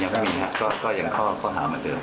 ยังแต่มีครับก็ข้อถุงตัวเช่ามั้ยเดิม